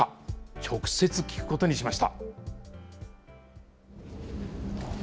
直接聞くことにしました。